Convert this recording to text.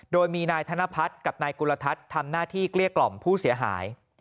โดยมีนายธนพัฒน์กับนายกุลทัศน์ทำหน้าที่เกลี้ยกล่อมผู้เสียหาย